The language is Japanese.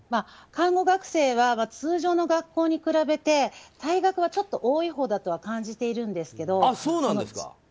看護学生は通常の学校に比べて退学はちょっと多いほうだとは感じているんですけど。